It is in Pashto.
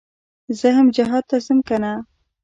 زه هم جهاد ته ځم كنه.